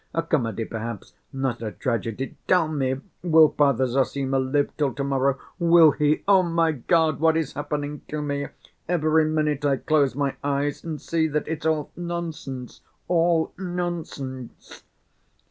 A comedy, perhaps, not a tragedy. Tell me, will Father Zossima live till to‐morrow, will he? Oh, my God! What is happening to me? Every minute I close my eyes and see that it's all nonsense, all nonsense."